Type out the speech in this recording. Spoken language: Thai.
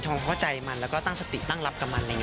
ทอมเข้าใจมันแล้วก็ตั้งสติตั้งรับกับมัน